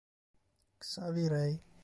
Xavi Rey